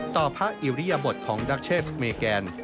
ต่อพระอิวริยบทของดาเชศเมแกน